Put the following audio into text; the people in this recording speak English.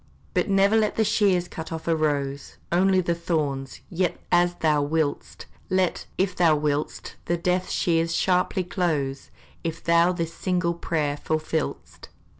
But never let the shears cut off a rose Only the thorns, yet as thou will'st! Let, if thou will'st, the death shears, sharply close, If thou this single prayer fulfill'st!